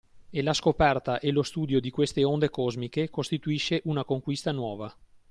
E la scoperta e lo studio di queste onde cosmiche costituisce una conquista nuova